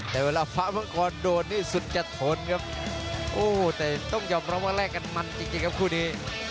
แต่เวลาฟ้ามังกรโดนนี่สุดจะทนครับโอ้แต่ต้องยอมรับว่าแลกกันมันจริงครับคู่นี้